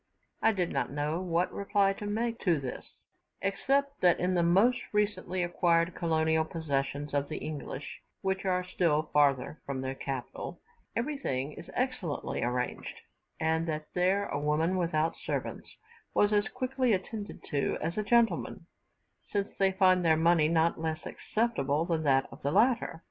I did not know what reply to make to this, except that in the most recently acquired colonial possessions of the English, which are still farther from the capital, everything is excellently arranged; and that there a woman without servants was as quickly attended to as a gentleman, since they find her money not less acceptable than that of the latter.